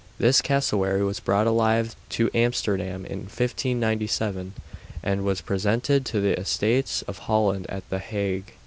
This cassowary was brought alive to Amsterdam in 1597, and was presented to the Estates of Holland at the Hague.